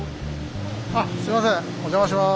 あっすみませんお邪魔します。